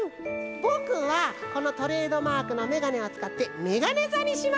ぼくはこのトレードマークのメガネをつかってメガネざにしました！